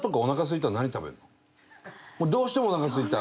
どうしてもおなかすいた。